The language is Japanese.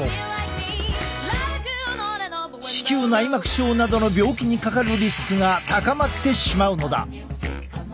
子宮内膜症などの病気にかかるリスクが高まってしまうのだ。